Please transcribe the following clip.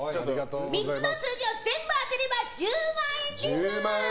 ３つの数字を全部当てれば１０万円です！